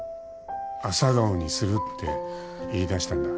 朝顔にする』って言いだしたんだ」